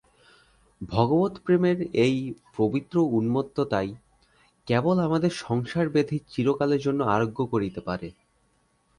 ভগবৎ-প্রেমের এই পবিত্র উন্মত্ততাই কেবল আমাদের সংসার-ব্যাধি চিরকালের জন্য আরোগ্য করিতে পারে।